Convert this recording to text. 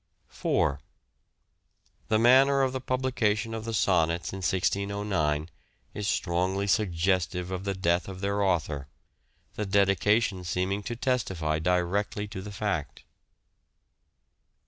4. The manner of the publication of the Sonnets in 1609 is strongly suggestive of the death of their author : the dedication seeming to testify directly to the fact.